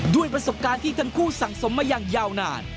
ด้วยประสบการณ์ที่ทั้งคู่สั่งสมมาอย่างยาวนาน